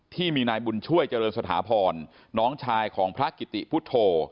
ที่มีนายบุญช่วยเจริญสถาพรน้องชายของพระกิติพุทธโธ